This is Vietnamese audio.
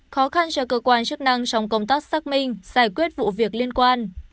khó khăn cho cơ quan chức năng trong công tác xác minh giải quyết vụ việc liên quan